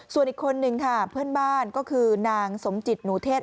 ส่วนอีกคนนึงค่ะเพื่อนบ้านก็คือนางสมจิตหนูเทศ